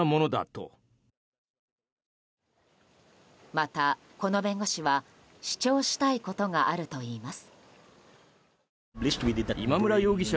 また、この弁護士は主張したいことがあるといいます。